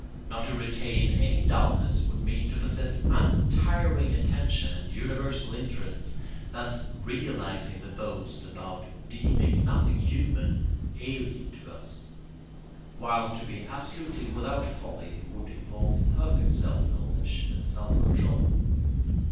Not to retain any dulness would mean to possess untiring attention and universal interests, thus realising the boast about deeming nothing human alien to us; while to be absolutely without folly would involve perfect self knowledge and self control.